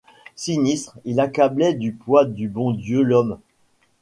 Sinistre, il accablait du poids du bon Dieu l’homme ;